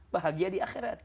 bahagia di akhirat